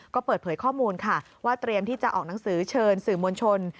ก็เปิดเผยข้อมูลค่ะว่าเตรียมที่จะออกหนังสือเชิญสื่อมวลชน